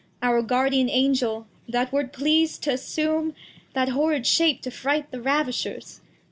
Our Guardian Angel, that wer't pleas'd t'assume That horrid Shape to fright the Ravishers